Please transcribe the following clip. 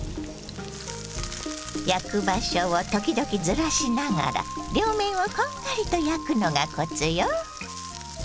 焼く場所を時々ずらしながら両面をこんがりと焼くのがコツよ。